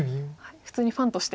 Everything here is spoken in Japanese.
普通にファンとして。